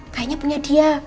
kayaknya punya dia